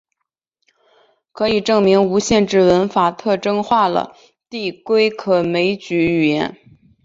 可以证明无限制文法特征化了递归可枚举语言。